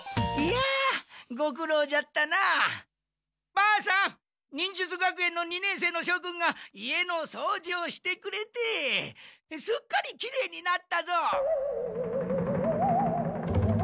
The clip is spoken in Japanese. ばあさん忍術学園の二年生の諸君が家のそうじをしてくれてすっかりきれいになったぞ。